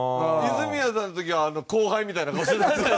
泉谷さんの時は後輩みたいな顔して。